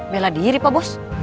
bela diri pak bos